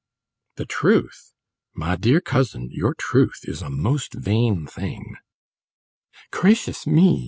"The truth? My dear cousin, your truth is a most vain thing!" "Gracious me!"